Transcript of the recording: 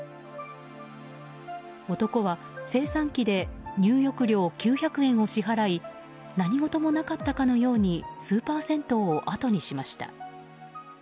男は精算機で入浴料９００円を支払い何事もなかったかのようにスーパー銭湯をあとにしました。